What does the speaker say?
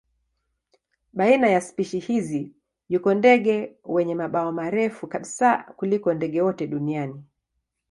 Baina ya spishi hizi yuko ndege wenye mabawa marefu kabisa kuliko ndege wote duniani.